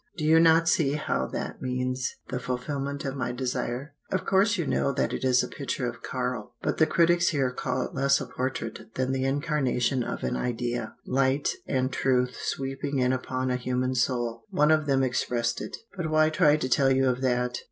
Do you not see how that means the fulfillment of my desire? "Of course you know that it is a picture of Karl. But the critics here call it less a portrait than the incarnation of an idea. Light and truth sweeping in upon a human soul one of them expressed it. But why try to tell you of that?